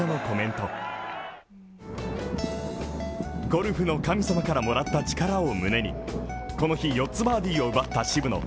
ゴルフの神様からもらった力を胸に、この日４つバーディーを奪った渋野。